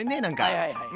はいはいはい。